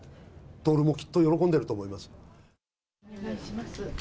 徹もきっと喜んでると思います。